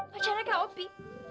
pacarnya kak opi